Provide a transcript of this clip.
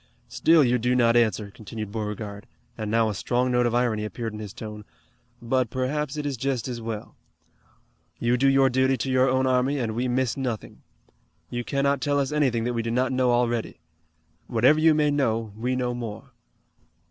"Still you do not answer," continued Beauregard, and now a strong note of irony appeared in his tone, "but perhaps it is just as well. You do your duty to your own army, and we miss nothing. You cannot tell us anything that we do not know already. Whatever you may know we know more.